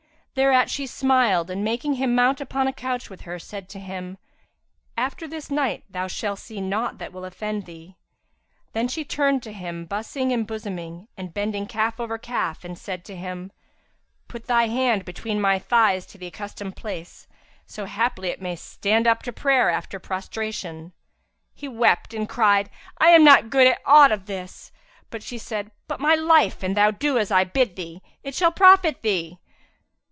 Thereat she smiled and making him mount upon a couch with her, said to him, "After this night, thou shalt see naught that will offend thee." Then she turned to him bussing and bosoming him and bending calf over calf, and said to him, "Put thy hand between my thighs to the accustomed place; so haply it may stand up to prayer after prostration." He wept and cried, "I am not good at aught of this," but she said, "By my life, an thou do as I bid thee, it shall profit thee!"